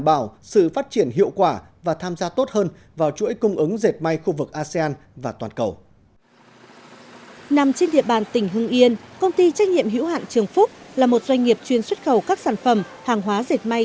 nằm trên địa bàn tỉnh hưng yên công ty trách nhiệm hữu hạn trường phúc là một doanh nghiệp chuyên xuất khẩu các sản phẩm hàng hóa dệt may